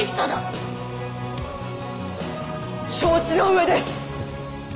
承知の上です。